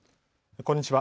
こんにちは。